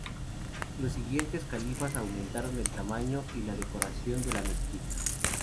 Los siguientes califas aumentaron el tamaño y la decoración de la mezquita.